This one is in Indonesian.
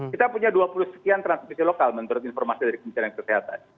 kita punya dua puluh sekian transmisi lokal menurut informasi dari kementerian kesehatan